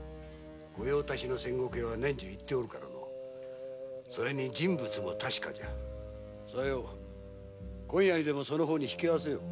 御用達の千石屋は年中行っておるからの人物も確かじゃさよう今夜にでも引き合わせよう。